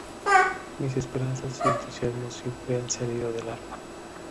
Mis esperanzas y entusiasmo siempre han salido del arpa.